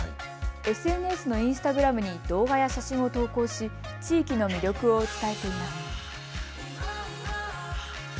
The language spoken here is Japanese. ＳＮＳのインスタグラムに動画や写真を投稿し地域の魅力を伝えています。